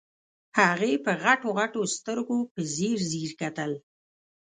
هغې په غټو غټو سترګو په ځير ځير کتل.